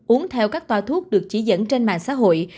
uống theo các toa thuốc được chỉ dẫn trên mạng xã hội